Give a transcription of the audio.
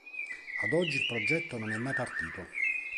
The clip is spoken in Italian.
Ad oggi il progetto non è mai partito.